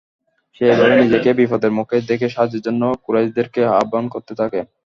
সে এভাবে নিজেকে বিপদের মুখে দেখে সাহায্যের জন্য কুরাইশদেরকে আহবান করতে থাকে।